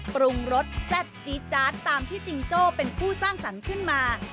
ปรุงรสแซ่บจี๊ดจาดตามที่จิงโจ้เป็นผู้สร้างสรรค์ขึ้นมา